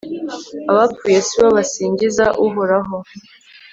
abapfuye si bo basingiza uhoraho